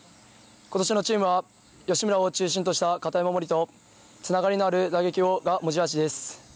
今年のチームは吉村を中心とした堅い守りとつながりのある打撃が持ち味です。